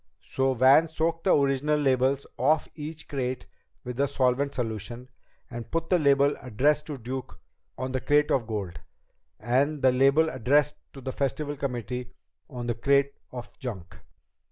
So Van soaked the original labels off each crate with a solvent solution, and put the label addressed to Duke on the crate of gold, and the label addressed to the Festival committee on the crate of junk.